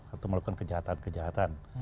atau melakukan kejahatan kejahatan